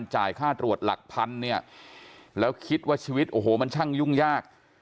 จ่ายค่าตรวจหลักพันเนี่ยแล้วคิดว่าชีวิตโอ้โหมันช่างยุ่งยาก